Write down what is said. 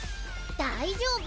大丈夫！